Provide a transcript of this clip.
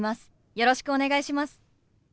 よろしくお願いします。